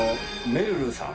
めるるさん。